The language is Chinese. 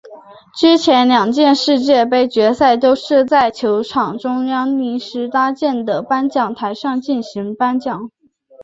之前两届世界杯决赛都是在球场中央临时搭建的颁奖台上进行颁奖。